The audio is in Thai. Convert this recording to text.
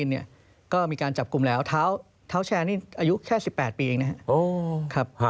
ท้าวแชร์นี่อายุแค่๑๘ปีเองนะครับ